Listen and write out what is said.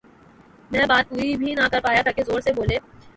میں بات پوری بھی نہ کرپا یا تھا کہ زور سے بولے